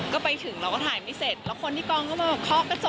ก็ไปถึงเราก็ถ่ายเหมือนไม่เสร็จ